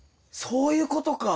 そういうことか。